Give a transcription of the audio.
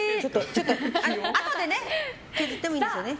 あとで削ってもいいんですよね。